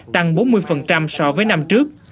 tăng bốn mươi so với năm trước